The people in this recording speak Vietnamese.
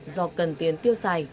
do cần tiền tiêu xài